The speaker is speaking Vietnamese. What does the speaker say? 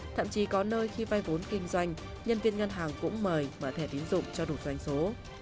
thậm chí có nơi khi vay vốn kinh doanh nhân viên ngân hàng cũng mời mở thẻ tiến dụng cho đủ doanh số